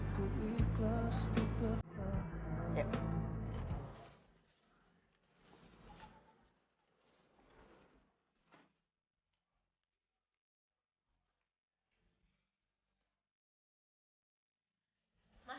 aku ikhlas diperlahankan